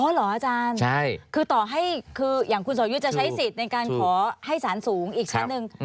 เหรออาจารย์คือต่อให้คืออย่างคุณสอยุทธ์จะใช้สิทธิ์ในการขอให้สารสูงอีกชั้นหนึ่ง